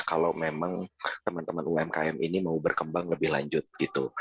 kalau memang teman teman umkm ini mau berkembang lebih lanjut gitu